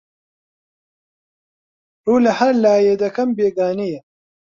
ڕوو لەهەر لایێ دەکەم بێگانەیە